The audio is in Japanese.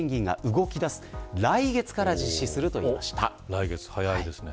来月、早いですね。